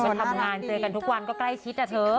ทำงานเจอกันทุกวันก็ใกล้ชิดนะเธอ